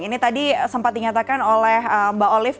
ini tadi sempat dinyatakan oleh mbak olive